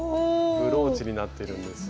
ブローチになってるんですが。